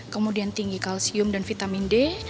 kemudian tinggi kalsium dan vitamin d